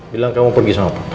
bilang kamu pergi sama pak